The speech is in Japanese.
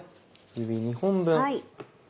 指２本分。